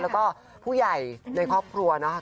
แล้วก็ผู้ใหญ่ในครอบครัวเนาะ